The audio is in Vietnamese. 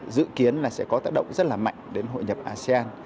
dự kiến là sẽ có tác động rất là mạnh đến hội nhập asean